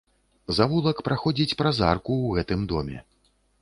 Завулак праходзіць праз арку ў гэтым доме.